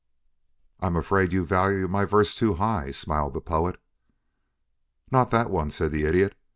"I am afraid you value my verse too high," smiled the Poet. "Not that one," said the Idiot.